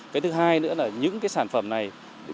cái thứ hai nữa là những sản phẩm này